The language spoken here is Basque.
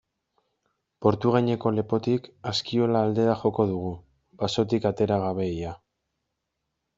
Portugaineko lepotik Askiola aldera joko dugu, basotik atera gabe ia.